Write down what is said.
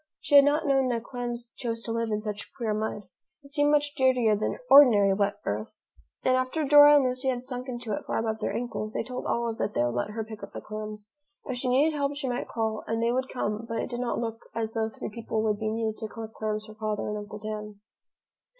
She had not known that clams chose to live in such queer mud. It seemed much dirtier than ordinary wet earth, and after Dora and Lucy had sunk into it far above their ankles, they told Olive that they would let her pick up the clams. If she needed help, she might call, and they would come, but it did not look as though three people would be needed to collect clams for Father and Uncle Dan.